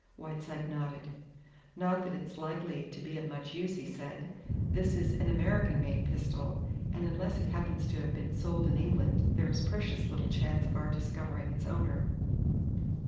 Whiteside nodded. "Not that it's likely to be of much use," he said. "This is an American made pistol, and unless it happens to have been sold in England there is precious little chance of our discovering its owner."